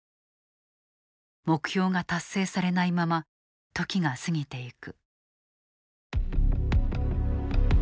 目標が達成されないまま時が過ぎていく。